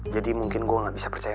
jadi mungkin gue gak bisa percaya